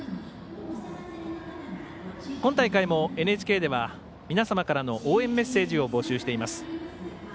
今大会もＮＨＫでは皆様からの応援メッセージを募集しています。